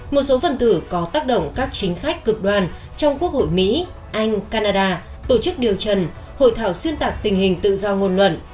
một số phần tử có tác động các chính khách cực đoan trong quốc hội mỹ anh canada tổ chức điều trần hội thảo xuyên tạc tình hình tự do ngôn luận